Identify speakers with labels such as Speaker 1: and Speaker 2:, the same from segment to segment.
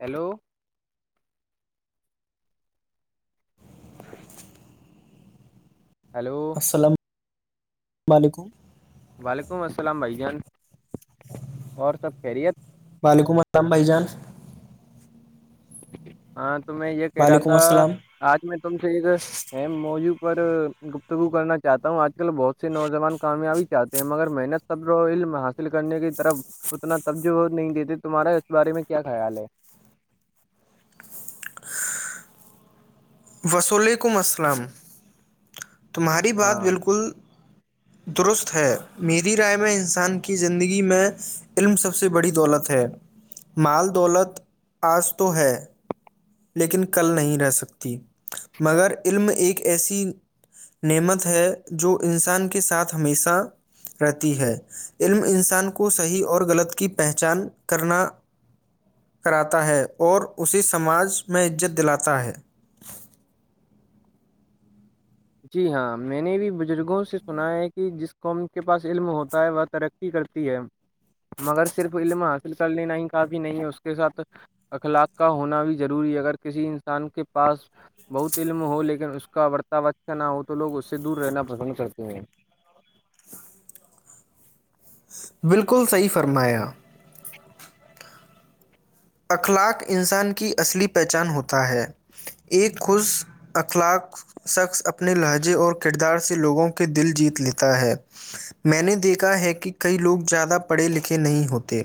Speaker 1: hello hello
Speaker 2: ال و علیکم
Speaker 1: وعلیکم السلام بھائی جان اور سب خیریت
Speaker 2: وعلیکم اللام بھائی جان
Speaker 1: ہاں تو میں یہ کہہ رہا
Speaker 2: وعلیکم
Speaker 1: تھا
Speaker 2: السلام
Speaker 1: آج میں تم سے ایک ا موضوع پر گفتگو کرنا چاہتا ہوں آج کل بہت سے نوجوان کامیابی چاہتے ہیں مگر محنت صبر و علم حاصل کرنے کی طرف اتنا تبج نہیں دیتے تمہارا اس بارے میں کیا خیال ہے
Speaker 2: وسلیکم السلام تمہاری بات
Speaker 1: ہاں
Speaker 2: بالکل درست ہے میری رائے میں انسان کی زندگی میں علم سب سے بڑی دولت ہے مال دولت آج تو ہے لیکن کل نہیں رہ سکتی مگر علم ایک ایسی نعمت ہے جو انسان کے ساتھ ہمیشہ رہتی ہے علم انسان کو صحیح اور غلط کی پہچان کراتا ہے اور اسے سماج میں عزت دلاتا ہے
Speaker 1: جی ہاں میں نے بھی بزرگوں سے سنا ہے کہ جس قوم کے پاس علم ہوتا ہے وہ ترقی کرتی ہے مگر صرف علم حاصل کر لینا ہی کافی نہیں ہے اس کے ساتھ اخلاق کا ہونا بھی ضروری ہے اگر کسی انسان کے پاس بہت علم ہو لیکن اس کا بتاوا نہ ہو تو لوگ اس سے دور رہنا پسند کرتے ہیں
Speaker 2: بالکل صحیح فرمایا اخلاق انسان کی اصلی پہچان ہوتا ہے ایک خوش اخلاق شخص اپنے لہجے اور کردار سے لوگوں کے دل جیت لیتا ہے میں نے دیکھا ہے کہ کئی لوگ زیادہ پڑھے لکھے نہیں ہوتے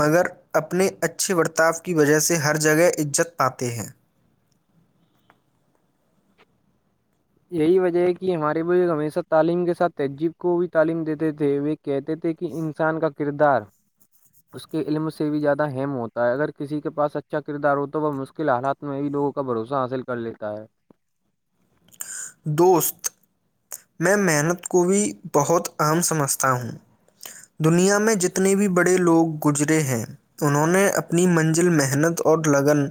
Speaker 2: مگر اپنے اچھے اچھے برتاؤ کی وجہ سے ہر جگہ عزت پاتے ہیں
Speaker 1: یہی وجہ ہے کہ ہمارے بزرگ ہمیشہ تعلیم کے ساتھ تہجذیب کو بھی تعلیم دیتے تھے وہ کہتے تھے کہ انسان کا کردار اس کے علم سے بھی زیادہ اہم ہوتا ہے اگر کسی کے پاس اچھا کردار ہو تو وہ مشکل حالات میں بھی لوگوں کا بھروسہ حاصل کر لیتا ہے
Speaker 2: دوست میں محنت کو بھی بہت عام سمجھتا ہوں دنیا میں جتنے بھی بڑے لوگ گزرے ہیں انہوں نے اپنی منزل محنت اور لگن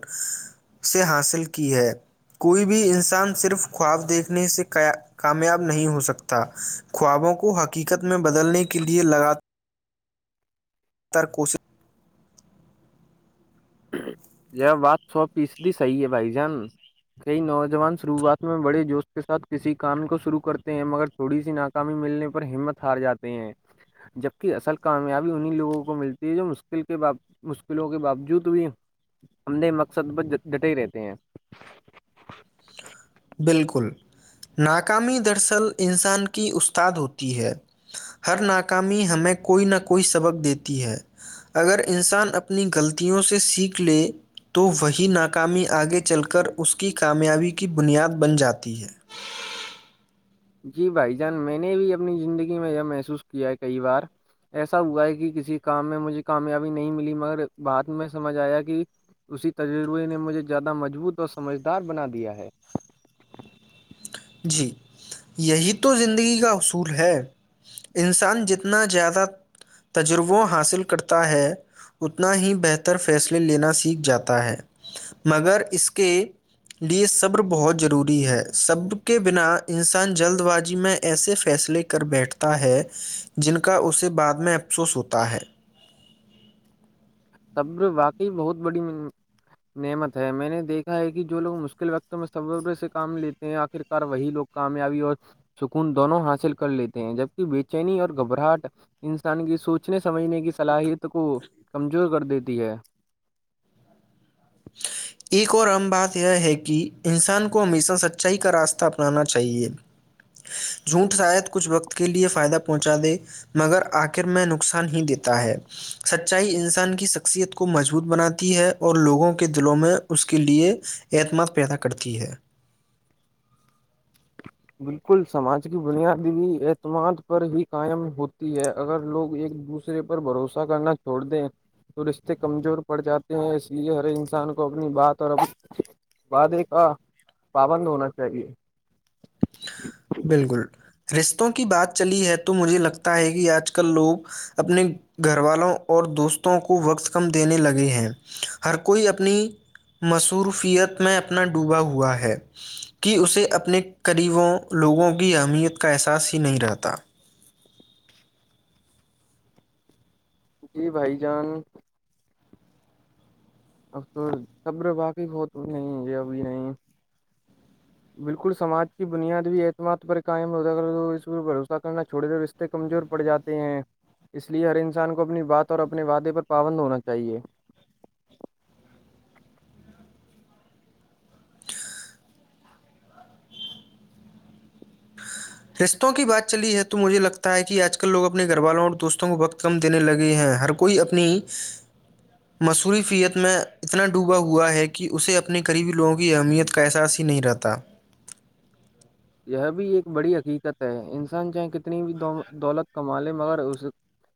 Speaker 2: سے حاصل کی ہے کوئی بھی انسان صرف خواب دیکھنے سے کامیاب نہیں ہو سکتا خوابوں کو حقیقت میں بدلنے کے لئے لگاتار زدہ تر کوشش
Speaker 1: یہ بات سو فیصدی صحیح ہے بھائی جان کئی نوجوان شروعات میں بڑے جوش کے ساتھ کسی کام کو شرو کرتے ہیں مگر تھوڑی سی ناکامی ملنے پر ہمت ہار جاتے ہیں جبک اصل کامیابی انیں لوگوں کو ملتی ہے جو مشکل کے مشکلوں کے باوجود بھی ہم نے مقصد ب ڈٹے رہتے ہیں
Speaker 2: بالکل ناکامی دراصل انسان کی استاد ہوتی ہے ہر ناکامی ہمیں کوئی نہ کوئی سبق دیتی ہے اگر انسان اپنی غلطیوں سے سیکھ لے تو وہی ناکامی آگے چل کر اس کی کامیابی کی بنیاد بن جاتی ہے
Speaker 1: جی بھائی جان میں نے بھی اپنی زندگی میں یہ محسوس کیا ہے کئی بار ایسا ہوا ہے کہ کسی کام میں مجھے کامیابی نہیں ملی مگر بعات میں سمجھ آیا کہ اسی تجربے نے مجھے زیادہ مضبوط اور سمجھدار بنا دیا ہے
Speaker 2: جی یہی تو زندگی کا اصول ہے انسان جتنا زیادہ تجربہ حاصل کرتا ہے اتنا ہی بہتر فیصلے لینا سیکھ جاتا ہے مگر اس کے لیے صبر بہت ضروری ہے صبر کے بنا انسان جلد بازی میں ایسے فیصلے کر بیٹھتا ہے جن کا اسے بعد میں افسوس ہوتا ہے
Speaker 1: صبر واقعی بہت بڑی نعمت ہے میں نے دیکھا ہے کہ جو لوگ مشکل وقتوں میں صبر سے کام لیتے ہیں آخرکار وہی لوگ کامیابی اور سکون دونوں حاصل کر لیتے ہیں جبکہ بے چینی اور گھبراہٹ انسان کی سوچنے سمجھنے کی صلاحیت کو ک کر دیتی ہے
Speaker 2: ایک اور اہم بات یہ ہے کہ انسان کو ہمیشہ سچائی کا راستہ اپنانا چاہیے جھوٹ شاید کچھ وقت کے لیے فائدہ پہنچا دے مگر آخر میں نقصان ہی دیتا ہے سچائی انسان کی شخصیت کو مضبوط بناتی ہے اور لوگوں کو دلوں میں اس کے لیئے اعتماد پیدا کرتی ہے
Speaker 1: بالکل سماج کی بنیادیی اعتماد پر ہی قائم ہوتی ہے اگر لوگ ایک دوسرے پر بھروسہ کرنا چھوڑ دیں تو رشتے کمزور پڑ جاتے ہیں اس لیے ہر انسان کو اپنی بات اور وعدے کا پابند ہونا چاہیے
Speaker 2: بالکل رشتوں کی بات چلی ہے تو مجھے لگتا ہے کہ آج کل لوگ اپنے گھر والوں اور دوستوں کو وقت کم دینے لگے ہیں ہر کوئی اپنی مصروفیت میں اپنا ڈوبا ہوا ہے کہ اسے اپنے قریبوں لوگوں کی اہمیت کا احساس ہی نہیں رہتا
Speaker 1: جی بھائی جان ا صبر واقف ہو تو نہیں یہ ابھی نہیں بالکل سماج کی بنیاد بھی اعتماد پر قائم ہوتا اگر اس پر بھروسہ کرنا چھوڑے تو رشتے کمزور پڑ جاتے ہیں اس لیے ہر انسان کو اپنی بات اور اپنے وعدے پر پابند ہونا چاہیے
Speaker 2: رشتوں کی بات چلی ہے تو مجھے لگتا ہے کہ آج کل لوگ اپنے گھر والوں اور دوستوں کو وقت کم دینے لگے ہیں ہر کوئی اپنی مصوری فیت میں اتنا ڈوبا ہوا ہے کہ اسے اپنے قریبی لوگوں کی اہمیت کا احساس ہی نہیں رہتا
Speaker 1: یہ بھی ایک بڑی حقیقت ہے انسان چاہے کتنی بھی دولت کما لے مگر اس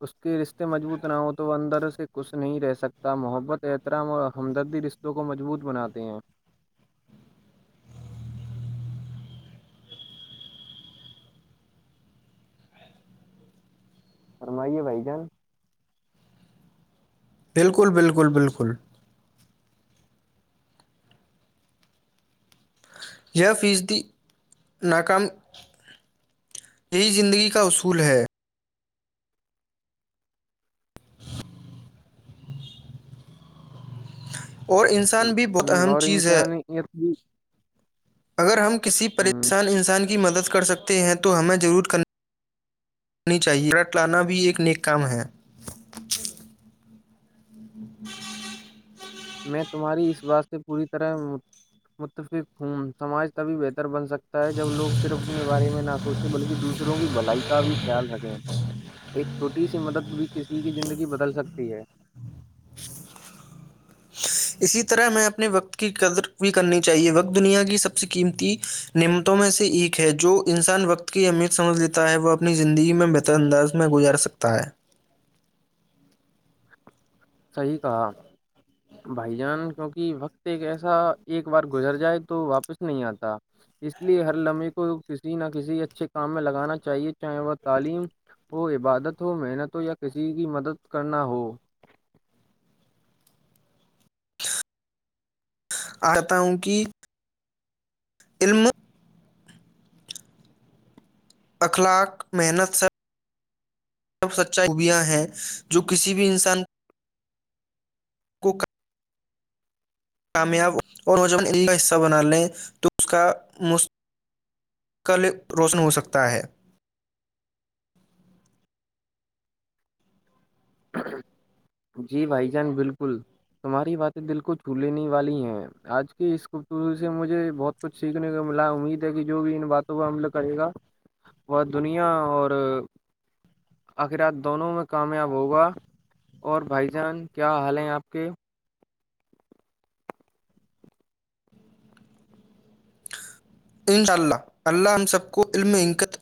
Speaker 1: اس کے رشتے مضبوط نہ ہوں تو وہ اندر سے کچھ نہیں رہ سکتا محبت احترام اور ہمدردی رشتوں کو مضبوط بناتے ہیں فرمائیے بھائی جان
Speaker 2: بالکل بالکل بالکل یہ فیصدی ناکام یہی زندگی کا اصول ہے اور انسان بھی بہت
Speaker 1: ہم،
Speaker 2: اہم
Speaker 1: اور
Speaker 2: چیز ہے
Speaker 1: انسانیت بھی
Speaker 2: اگر ہم کسی
Speaker 1: ہم،
Speaker 2: پریشان انسان کی مدد کر کر سکتے ہیں تو ہمیں ضرور کرانی چاہیے رٹ لانا بھی ایک نیک کام ہے
Speaker 1: میں تمہاری اس واسط سے پوری طرح متفق ہوں سماج تبھی بہتر بن سکتا ہے جب لوگ صرف اپنے بارے میں نہ سوچیں بلکہ دوسروں کی بھلائی کا بھی خیال رکھیں ایک چھوٹی سی مدد بھی کسی کی زندگی بدل سکتی ہے
Speaker 2: اسی طرح ہمیں اپنے وقت کی قدر بھی کرنی چاہیے وقت دنیا کی سب سے قیمتی نعمتوں میں سے ایک ہے جو انسان وقت کی اہمیت سمجھ لیتا ہے وہ اپنی زندگی میں بہتر انداز میں گزار سکتا ہے
Speaker 1: صحیح کہا بھائی جان کیونکہ وقت ایک ایسا ایک بار گزر جائے تو واپس نہیں آتا اس لیے ہر لمحے کو کسی نہ کسی اچھے کام میں لگانا چاہیے چاہے وہ تعلیم ہو عبادت ہو محنت ہو یا کسی کی مدد کرنا ہو
Speaker 2: آتا ہوں کہ علم اخلاق محنت سب سب سچائی خوبیاں ہیں جو کسی بھی انسان کو کامیاب اور نوجوان ان کا حصہ بنا لیں تو اس کا مستقل روشن ہوسکتا ہے
Speaker 1: جی بھائی جان بالکل تمہاری باتیں دل کو چھو لینے والی ہیں آج کی اس خبور سے مجھے بہت کچھ سیکھنے کو ملا امید ہے کہ جو بھی ان باتوں پر عمل کرے گا ب دنیا اور آخرات دونوں میں کامیاب ہوگا اور بھائی جان کیا حال ہیں آپ کے
Speaker 2: انشاء اللہ اللہ ہم سب کو علم انکت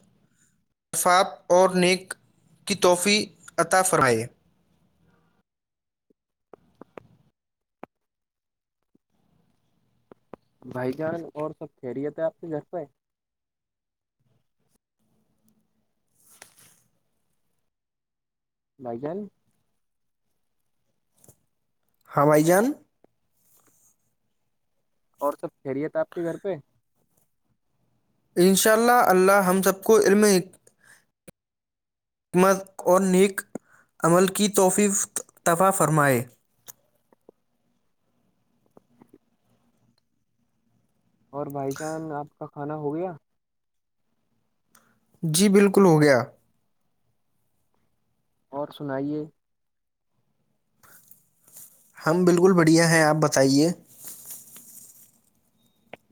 Speaker 2: افاف اور نیک کی توحفی عطا فرمائے
Speaker 1: بھائی جان اور سب خہریت ہے آپ کے گھر پہ بھائی جان
Speaker 2: ہاں بھائی جان جان
Speaker 1: اور سب خیریت آپ کے گھر پہ
Speaker 2: انشاء اللہ اللہ ہم سب کو علم حکمت اور نیک عمل کی توف دفاع فرمائے
Speaker 1: اور بھائی جان آپ کا کھانا ہو گیا
Speaker 2: جی بالکل ہو گیا
Speaker 1: اور سنائیے
Speaker 2: ہم بالکل بڑھیا ہیں آپ بتائیے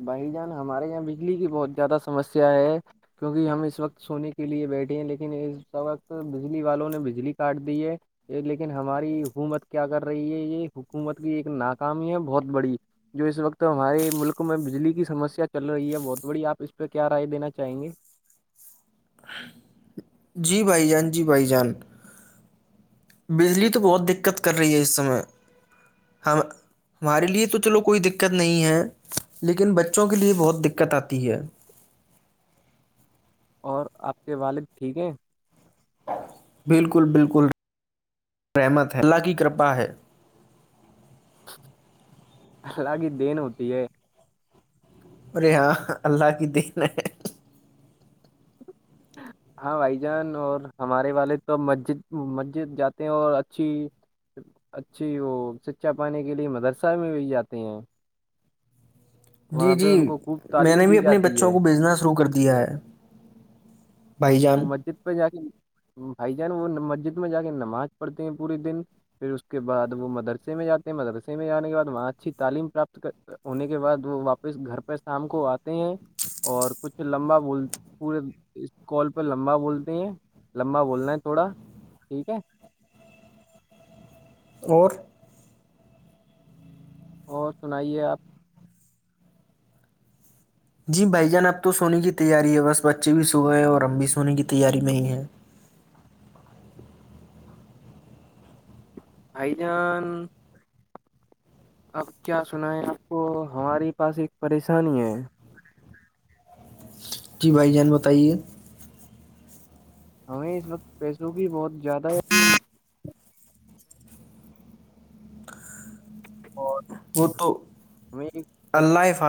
Speaker 1: بھائی جان ہمارے یہاں بجلی کی بہت زیادہ سمسیا ہے کیونکہ ہم اس وقت سونے کے لیے بیٹھے ہیں لیکن اس س وقت بجلی والوں نے بجلی کاٹ دی ہے لیکن ہماری حکومت کیا کر رہی ہے یہ حکومت کی ایک ناکامی ہے بہت بڑی جو اس وقت ہمارے ملک میں بجلی کی سمسیا چل رہی ہے بہت بڑیا آپ اس پہ کیا رائے دینا چاہیں گے
Speaker 2: جی بھائی جان جی بھائی جان بجلی تو بہت دقت کر رہی ہے اس سمے ہم ہمارے لیے تو چلو کوئی دقت نہیں ہے لیکن بچوں کے لیے بہت دقت آتی ہے
Speaker 1: اور آپ کے والد ٹھیک ہیں
Speaker 2: بالکل بالکل رحمت ہے اللہ کی کرپا ہے
Speaker 1: اللہ کی دین ہوتی ہے
Speaker 2: اوررے ہاں اللہ کی د ہے
Speaker 1: ہاں بھائی جان اور ہمارے والے تو مسجد مسجد جاتے ہیں اور اچھی اچھی وہ سچا پانے کے لیے مدرسہ میں بھی جاتے ہیں
Speaker 2: جی
Speaker 1: وہاں پہ
Speaker 2: جی
Speaker 1: ان کو خوب
Speaker 2: میں
Speaker 1: تعلیم
Speaker 2: نے
Speaker 1: دی
Speaker 2: بھی اپنے
Speaker 1: جاتی ہے
Speaker 2: بچوں کو بزنس شروع کر د [inaudible]
Speaker 1: وہ مسجد پہ جا کے بھائی جان وہ مسجد میں جا کے نماز پڑھتے ہیں پورے دن پھر اس کے بعد وہ مدرسے میں جاتے ہیں مدرسے میں جانے کے بعد وہاں اچھی تعلیم پراپت ہونے کے بعد وہ واپس گھر پہ شام کو آ ہیں اور کچھ لمبا بول پورے کال پہ لمبا بولتے ہیں لمبا بولنا ہے تھوڑا ٹھیک ہے
Speaker 2: اور
Speaker 1: اور سنائیے آپ [unintelligible]
Speaker 2: جی بھائی جان اب تو سونے کی تیاری ہے بس بچے بھی سو گئے اور ہم بھی سونے کی تیاری میں ہیں
Speaker 1: حائیجان اب کیا سنیں آپ کو ہمارے پاس ایک پریشانی ہے
Speaker 2: جی بھائی جان بتائیے
Speaker 1: ہمیں اس وقت پیسوں کی بہت زیادہ ہے بہت
Speaker 2: کتو
Speaker 1: ہم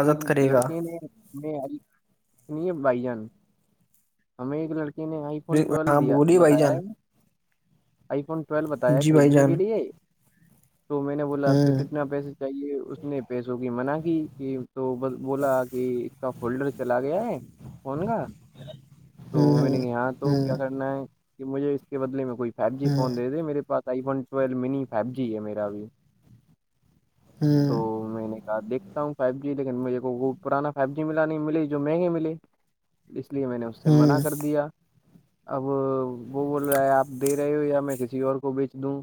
Speaker 1: ایک
Speaker 2: گا
Speaker 1: لڑکے نے نہیں بائی جان ہمیں ایک ل نے آئی فون ٹویلو
Speaker 2: ہاں
Speaker 1: دیا
Speaker 2: بولیے بھائی
Speaker 1: بتایا
Speaker 2: جان
Speaker 1: ہے آئی فون ٹویلو بتایا
Speaker 2: جی بھائی
Speaker 1: خریدنے کے
Speaker 2: جان
Speaker 1: لیے تو میں نے بولا اسپ سے
Speaker 2: ہوں
Speaker 1: کتنا پیسے چاہیے اس نے پیسوں کی منع کی جانب کی تو بولا کہ کا ہولڈر چلا گیا ہے [inaudible] فن کا تو
Speaker 2: ہوں ہوں
Speaker 1: یہاں تو
Speaker 2: ہوں
Speaker 1: کیا کرنا ہے [unintelligible] کہ مجھے اس کے بدلے میں کوئی فائیو جی
Speaker 2: ہوں
Speaker 1: فون دے د مے پاس iPhone tool mini five G ہے میرا ابھی
Speaker 2: ہوں
Speaker 1: تو میں نے کہا دیک ف جی لیکن مجے کو وہ پرانا فائیو جی م نہیں م جو مہنگے ملے اس لیے میں نے اس سے منع
Speaker 2: ہوں
Speaker 1: کر دیا اب وہ بول رہا ہے آپ دے رہے ہو یا میں کسی اور کو بیچ دوں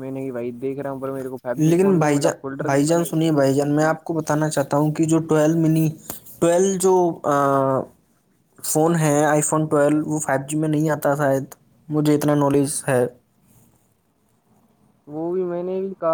Speaker 1: میں نہیں بھائی دیکھ رہا ہوں پر میرے کو فائیو جی فون
Speaker 2: لیکن
Speaker 1: نہیں
Speaker 2: بھائی
Speaker 1: ملا
Speaker 2: جان
Speaker 1: فولڈر کی
Speaker 2: بھائی
Speaker 1: میں
Speaker 2: جان
Speaker 1: نے
Speaker 2: سنیے بھائی جان میں آپ کو بتا بتانا چاہتا ہوں ٹ ٹویل ف ہیں آئی ف ٹویل وہ فو جی میں نہیں آتا شاید مجھے اتنا نالج ہے
Speaker 1: وہ بھی میں نے بھی کہا